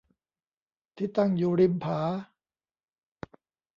ที่ตั้งอยู่ริมผา